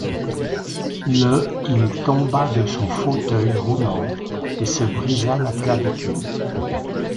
Le il tomba de son fauteuil roulant et se brisa la clavicule.